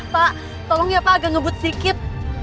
pak tolong ya pak agak ngebut sedikit